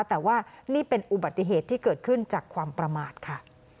แต่ว่านี่เป็นอุบัติเหตุที่เกิดขึ้นจากความประมาทค่ะ